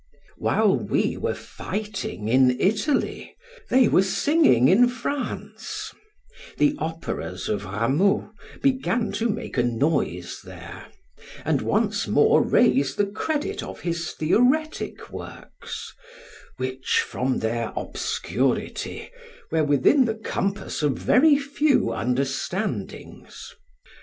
While we were fighting in Italy, they were singing in France: the operas of Rameau began to make a noise there, and once more raise the credit of his theoretic works, which, from their obscurity, were within the compass of very few understandings.